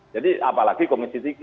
jadi apalagi komisi tiga